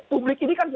publik ini kan